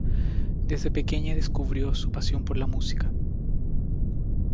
Desde pequeña descubrió su pasión por la música.